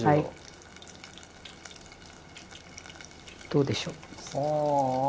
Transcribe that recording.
どうでしょう？